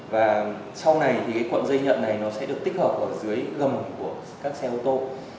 và sau này thì cái cuộn dây nhận này nó sẽ được tích hợp ở dưới gầm của các xe ô tô